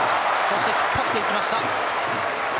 引っ張っていきました。